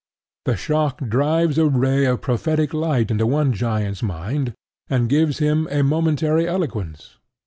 The shock drives a ray of prophetic light into one giant's mind, and gives him a momentary eloquence.